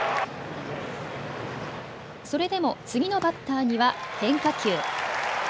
それでも次のバッターには変化球。